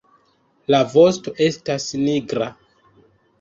La vosto estas nigra.